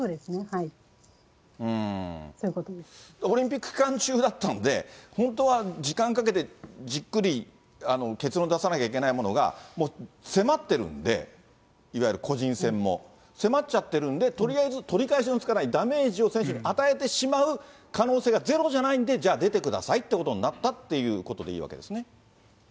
オリンピック期間中だったんで、本当は時間かけてじっくり結論出さなきゃいけないものが、もう迫ってるんで、いわゆる個人戦も、迫っちゃってるんで、とりあえず取り返しのつかないダメージを選手に与えてしまう可能性がゼロじゃないんで、じゃあ、出てくださいっていうことになったということでいいんですね。